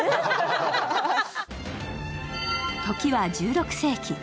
時は１６世紀。